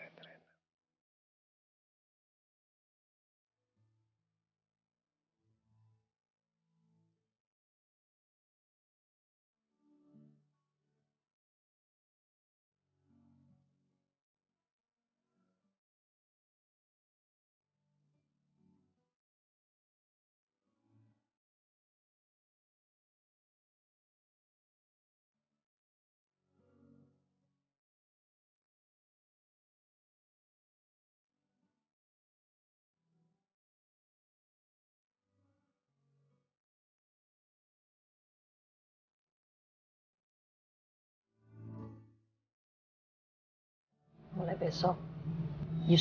ngore bukan jari suku